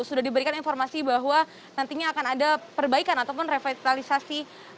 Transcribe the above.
sudah diberikan informasi bahwa nantinya akan ada perbaikan ataupun revitalisasi